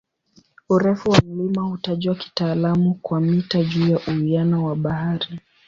Urefu wa mlima hutajwa kitaalamu kwa "mita juu ya uwiano wa bahari".